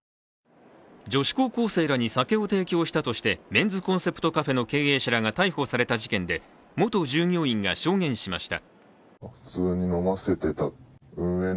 女子高校生らに酒を提供したとしてメンズコンセプトカフェの経営者らが逮捕された事件で、元従業員が証言しました。